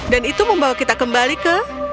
dan itu membawa kita kembali ke